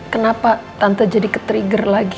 kenapa tante jadi ketrigger lagi